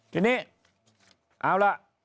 ทีนี้เอาล่ะ